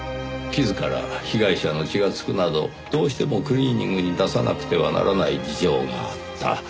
傷から被害者の血が付くなどどうしてもクリーニングに出さなくてはならない事情があった。